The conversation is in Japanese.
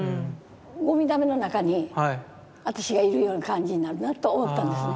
ゴミだめの中に私がいるような感じになるなと思ったんです。